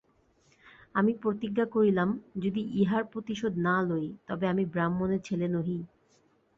আমি প্রতিজ্ঞা করিলাম যদি ইহার প্রতিশোধ না লই তবে আমি ব্রাহ্মণের ছেলে নহি।